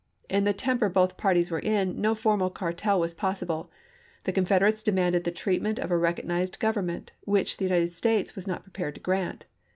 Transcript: In the tem per both parties were in, no formal cartel was possible ; the Confederates demanded the treatment of a recognized government, which the United States was not prepared to grant.